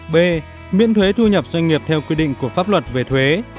b miễn thuế thu nhập doanh nghiệp theo quy định của pháp luật về thuế